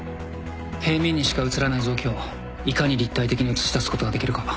平面にしか写らない臓器をいかに立体的に写し出すことができるか。